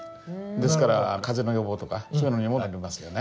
ですから風邪の予防とかそういうのにもなりますよね。